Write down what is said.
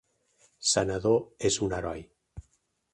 Senador, és un heroi.